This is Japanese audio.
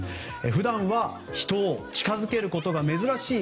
普段は人を近づけることが珍しい